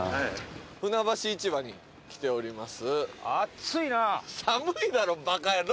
船橋市場に来ております。